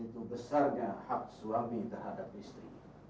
karena begitu besarnya hak suami terhadap istri